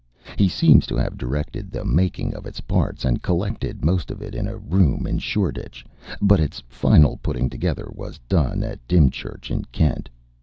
He seems to have directed the making of its parts and collected most of it in a room in Shoreditch, but its final putting together was done at Dymchurch, in Kent.